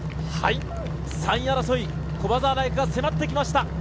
３位争い、駒澤大学が迫ってきました。